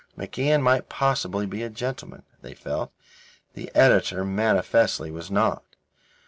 MacIan might possibly be a gentleman, they felt; the editor manifestly was not.